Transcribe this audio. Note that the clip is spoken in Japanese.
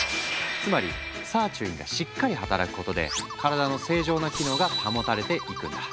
つまりサーチュインがしっかり働くことで体の正常な機能が保たれていくんだ。